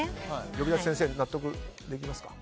呼び出し先生納得できますか？